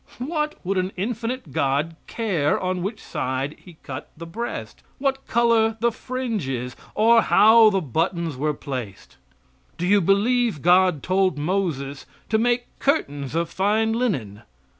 What would an infinite God care on which side he cut the breast, what color the fringe was, or how the buttons were placed? Do you believe God told Moses to make curtains of fine linen?